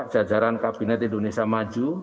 jajaran kabinet indonesia maju